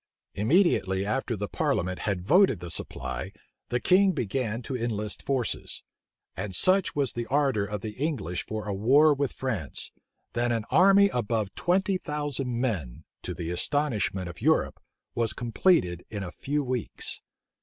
Immediately after the parliament had voted the supply, the king began to enlist forces; and such was the ardor of the English for a war with France, that an army of above twenty thousand men, to the astonishment of Europe, was completed in a few weeks.